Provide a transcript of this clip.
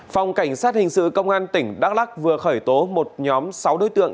phòng cảnh sát hình sự công an tỉnh đắk lắc vừa khởi tố một nhóm sáu đối tượng